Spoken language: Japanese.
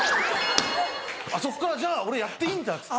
そっからじゃあ俺やっていいんだっつって。